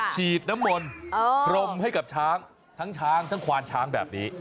ฉีดน้ำมนต์พรมให้กับช้างทั้งช้างทั้งควานช้างแบบนี้